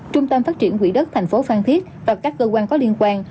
trung tâm phát triển quỹ đất thành phố phan thiết và các cơ quan có liên quan